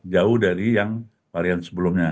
jauh dari yang varian sebelumnya